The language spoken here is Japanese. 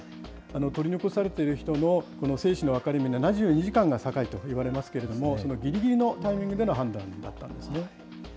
取り残されている人のこの生死の分かれ目の７２時間が境といわれますけれども、そのぎりぎりのタイミングでの判断だったんですね。